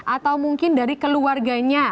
atau mungkin dari keluarganya